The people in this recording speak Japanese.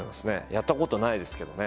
やったことないですけどね。